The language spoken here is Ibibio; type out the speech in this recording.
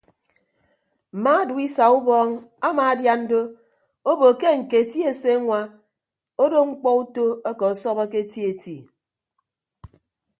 Mma duisa ubọọñ amaadian do obo ke ñketi eseñwa odo ñkpọ uto ake ọsọbọke eti eti.